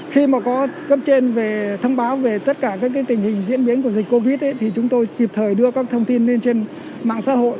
khi mà có cấp trên về thông báo về tất cả các tình hình diễn biến của dịch covid thì chúng tôi kịp thời đưa các thông tin lên trên mạng xã hội